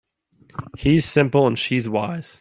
He's simple and she's wise.